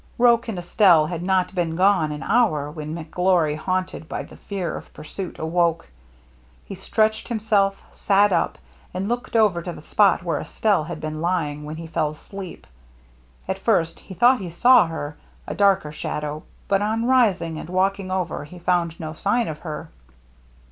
Roche and Estelle had not been gone an hour when McGlory, haunted by the fear of pursuit, awoke. He stretched himself, sat up, and looked over to the spot where Estelle had been lying when he fell asleep. At first he thought he saw her, a darker shadow, but on risiiig and walking over he found no sign of her.